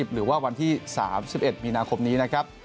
หรือว่าวันที่๓๑มีนาคมนี้นะครับ